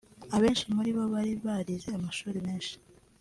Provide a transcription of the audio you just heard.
abenshi muri bo bari barize amashuri menshi